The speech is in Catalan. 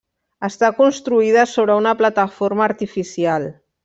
Està construïda sobre una plataforma artificial.